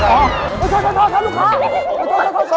เฮ้ยโทษลูกค้า